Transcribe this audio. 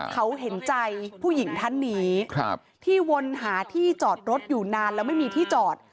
เขาเห็นใจผู้หญิงท่านนี้ที่วนหาที่จอดรถอยู่นานแล้วไม่มีที่จอด